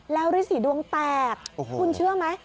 แล้วฤทธิ์ศรีดวงแตกคุณเชื่อไหม